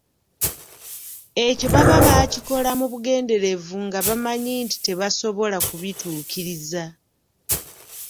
Ekyo baba baakikola mu bugenderevu nga bamanyi nti tebasobola kubituukiriza.